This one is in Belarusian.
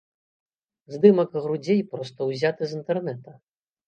Здымак грудзей проста ўзяты з інтэрнэта.